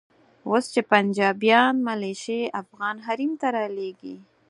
اوس چې پنجابیان ملیشې افغان حریم ته رالېږي.